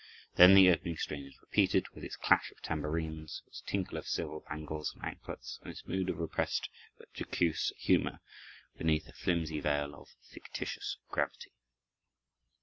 Then the opening strain is repeated, with its clash of tambourines, its tinkle of silver bangles and anklets, and its mood of repressed, but jocose, humor, beneath a flimsy veil of fictitious gravity.